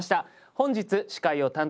本日司会を担当します